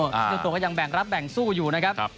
เจ้าตัวก็ยังแบ่งรับแบ่งสู้อยู่นะครับ